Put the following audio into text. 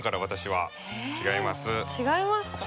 違いますか？